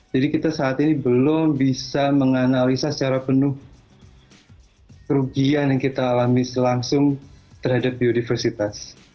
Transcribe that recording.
kita saat ini belum bisa menganalisa secara penuh kerugian yang kita alami langsung terhadap biodiversitas